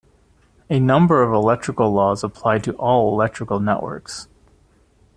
A number of electrical laws apply to all electrical networks.